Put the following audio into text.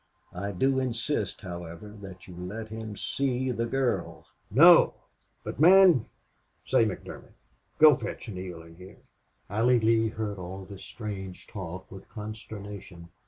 I do insist, however, that you let him see the girl!" "No!" "But, man.... Say, McDermott, go fetch Neale in here." Allie Lee heard all this strange talk with consternation.